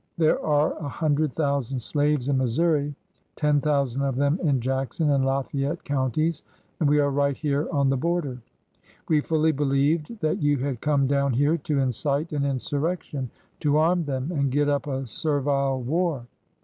There are a hundred thousand slaves in Missouri, ten thousand of them in Jackson and Lafayette counties, and we are right here on the border. We fully believed that you had come down here to incite an insurrection, to arm them and get up a servile war.